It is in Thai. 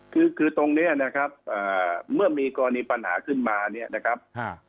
คือคือตรงเนี้ยนะครับเมื่อมีกรณีปัญหาขึ้นมาเนี่ยนะครับ